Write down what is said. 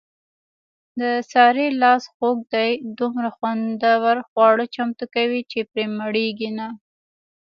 د سارې لاس خوږ دی دومره خوندور خواړه چمتو کوي، چې پرې مړېږي نه.